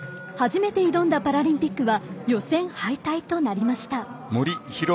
初めて挑んだパラリンピックは予選敗退となりました。